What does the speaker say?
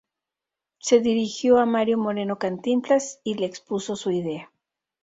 Se dirigió a Mario Moreno "Cantinflas" y le expuso su idea.